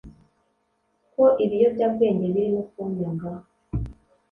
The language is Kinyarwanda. ko ibiyobyabwenge birimo Kanyanga